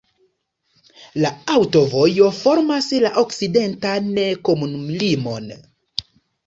La aŭtovojo formas la okcidentan komunumlimon.